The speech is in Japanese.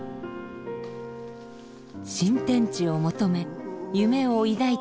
新天地を求め夢を抱いてきた開拓